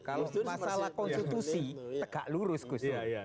kalau masalah konstitusi tegak lurus gus dur